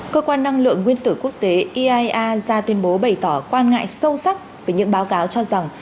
cơ quan năng lượng nguyên tử quốc tế iaea ra tuyên bố bày tỏ quan ngại sâu sắc về những báo cáo cho rằng